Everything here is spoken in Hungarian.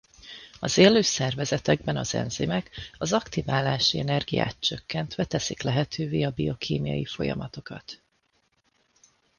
Az élő szervezetekben az enzimek az aktiválási energiát csökkentve teszik lehetővé a biokémiai folyamatokat.